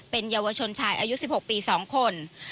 เป็นเยาวชนชายอายุ๑๖ปี๒คน